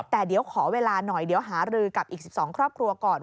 แต่เดี๋ยวขอเวลาหน่อยเดี๋ยวหารือกับอีก๑๒ครอบครัวก่อน